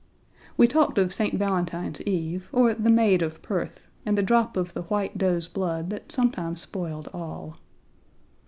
We talked of St. Valentine's eve, or the maid of Perth, and the drop of the white doe's blood that sometimes spoiled all.